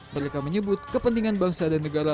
mereka menyebut kepentingan bangsa dan negara